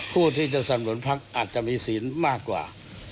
ผู้ที่จะสำรวจภักดิ์อาจจะมีศีลมากกว่า